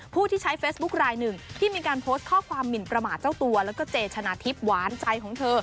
ผู้ที่ใช้เฟซบุ๊คลายหนึ่งที่มีการโพสต์ข้อความหมินประมาทเจ้าตัวแล้วก็เจชนะทิพย์หวานใจของเธอ